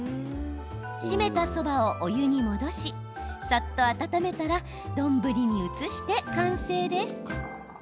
締めた、そばをお湯に戻しさっと温めたら丼に移して完成です。